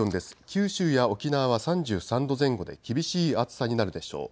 九州や沖縄は３３度前後で厳しい暑さになるでしょう。